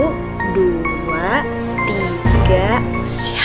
kalian bertemu saja